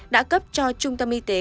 đã cấp cho trung tâm y tế